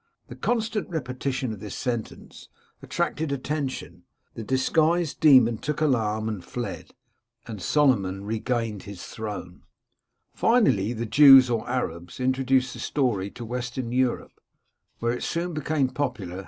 The constant repetition of this sentence attracted atten tion ; the disguised demon took alarm and fled, and Solomon regained his throne." 246 King Robert of Sicily Finally the Jews or Arabs introduced the story to Western Europe, where it soon became popular.